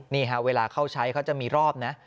นี่ฮะเวลาเข้าใช้เขาจะมีรอบนะ